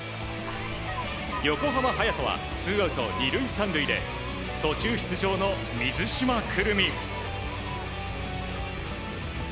横浜隼人はツーアウト２塁３塁で途中出場の水島来望。